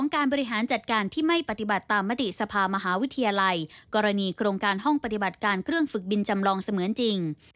การบริหารจัดการที่ไม่ปฏิบัติตามมติสภามหาวิทยาลัยกรณีโครงการห้องปฏิบัติการเครื่องฝึกบินจำลองเสมือนจริง